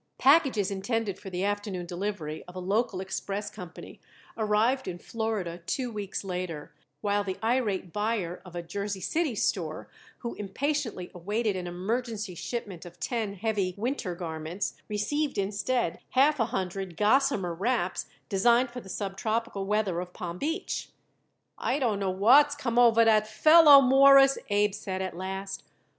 Packages intended for the afternoon delivery of a local express company arrived in Florida two weeks later, while the irate buyer of a Jersey City store, who impatiently awaited an emergency shipment of ten heavy winter garments, received instead half a hundred gossamer wraps designed for the sub tropical weather of Palm Beach. "I don't know what's come over that fellow, Mawruss," Abe said at last.